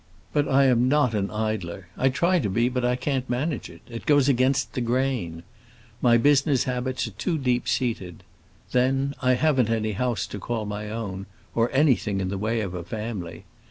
But I am not an idler. I try to be, but I can't manage it; it goes against the grain. My business habits are too deep seated. Then, I haven't any house to call my own, or anything in the way of a family.